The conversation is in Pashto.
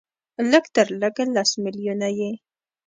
لږ تر لږه لس ملیونه یې